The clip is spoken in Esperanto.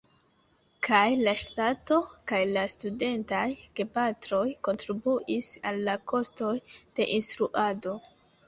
Kaj la ŝtato kaj la studentaj gepatroj kontribuis al la kostoj de instruado.